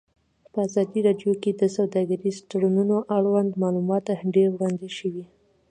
په ازادي راډیو کې د سوداګریز تړونونه اړوند معلومات ډېر وړاندې شوي.